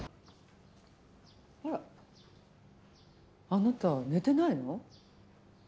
あなた寝てないの？